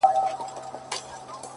o ماته اوس هم راځي حال د چا د ياد؛